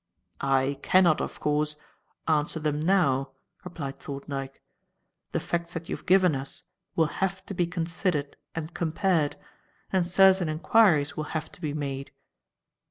"I cannot, of course, answer them now," replied Thorndyke. "The facts that you have given us will have to be considered and compared, and certain enquiries will have to be made.